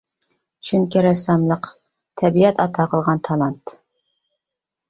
چۈنكى رەسساملىق تەبىئەت ئاتا قىلغان تالانت.